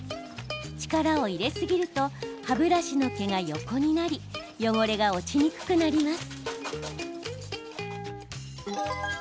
力を入れすぎると歯ブラシの毛が横になり汚れが落ちにくくなります。